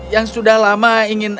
yang sudah lama ingin